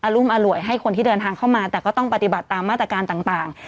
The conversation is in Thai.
รุมอร่วยให้คนที่เดินทางเข้ามาแต่ก็ต้องปฏิบัติตามมาตรการต่าง